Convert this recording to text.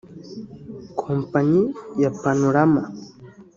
Kompanyi ya Panorama